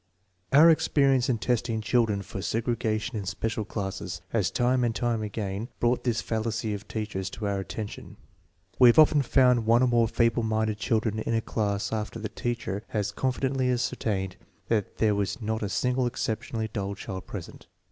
Our experience in testing children for segregation in special classes has time and again brought this fallacy of teachers to our attention. We have often found one or more feeble minded children in a class after the teacher had confidently asserted that there was not a single exception ally dull child present.